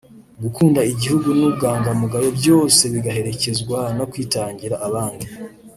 gukunda igihugu n’ubwangamugayo byose bigaherekezwa no kwitangira abandi